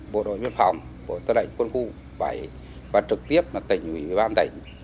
bộ đội biên phòng bộ tư lệnh quân khu bảy và trực tiếp là tỉnh huy ban tỉnh